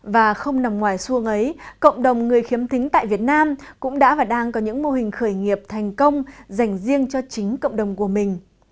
và không nằm ngoài xuông ấy cộng đồng người khiếm thính tại việt nam cũng đã và đang có những mô hình khởi nghiệp thành công dành riêng cho chính cộng đồng của mình